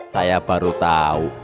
saya baru tahu